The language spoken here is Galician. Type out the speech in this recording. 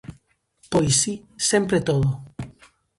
-Pois si, sempre todo.